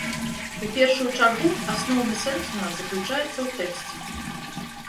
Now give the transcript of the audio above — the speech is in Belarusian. У першую чаргу асноўны сэнс у нас заключаецца ў тэксце.